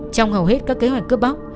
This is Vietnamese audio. trong hầu hết các kế hoạch cướp bóc